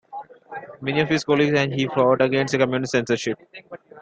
Many of his colleagues and he fought against the Communist censorship.